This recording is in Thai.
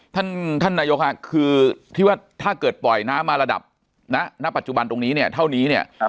ท่านนายกาคือถ้าเกิดปล่อยน้ำมาระดับณปัจจุบันตรงนี้เท่านี้